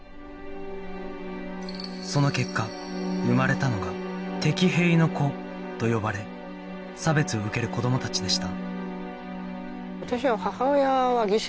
その結果生まれたのが「敵兵の子」と呼ばれ差別を受ける子どもたちでした